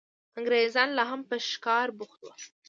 انګرېزان لا هم په ښکار بوخت وو.